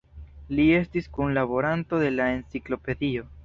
Li estis kunlaboranto de la Enciklopedio.